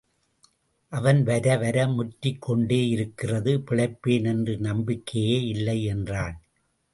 அவன் வரவர முற்றிக் கொண்டே இருக்கிறது. பிழைப்பேன் என்ற நம்பிக்கையே இல்லை என்றான்.